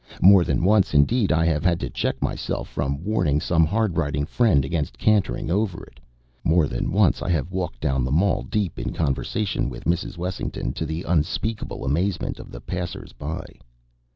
More than once, indeed, I have had to check myself from warning some hard riding friend against cantering over it. More than once I have walked down the Mall deep in conversation with Mrs. Wessington to the unspeakable amazement of the passers by.